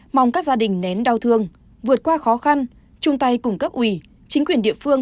mong các gia đình nén đau thương vượt qua khó khăn chung tay cùng cấp ủy chính quyền địa phương